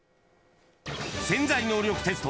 「潜在能力テスト」。